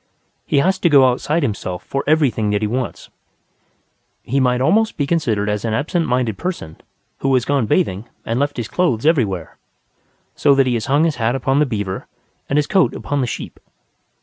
He has to go outside himself for everything that he wants. He might almost be considered as an absent minded person who had gone bathing and left his clothes everywhere, so that he has hung his hat upon the beaver and his coat upon the sheep.